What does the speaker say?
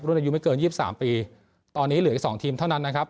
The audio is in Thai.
รุ่นอายุไม่เกินยี่สามปีตอนนี้เหลืออีกสองทีมเท่านั้นนะครับ